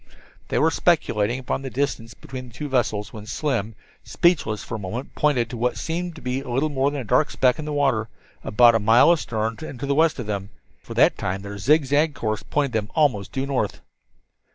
They were speculating upon the distance between the two vessels, when Slim, speechless for the moment, pointed to what seemed to be little more than a dark speck on the water about a mile astern and to the west of them for at that time their zig zag course pointed them almost due north.